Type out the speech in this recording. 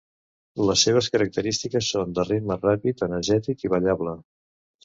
Les seves característiques són de ritme ràpid, energètic i ballable.